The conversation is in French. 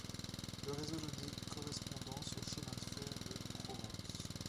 Le réseau donnait correspondance aux Chemins de fer de Provence.